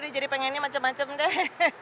jadi pengennya macam macam deh